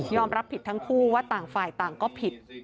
รับผิดทั้งคู่ว่าต่างฝ่ายต่างก็ผิด